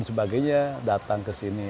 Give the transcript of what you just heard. sebagainya datang ke sini